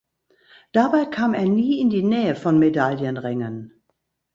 Dabei kam er nie in die Nähe von Medaillenrängen.